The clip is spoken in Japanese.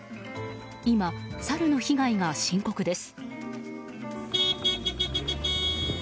今、サルの被害が深刻です。